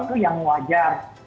itu sesuatu yang wajar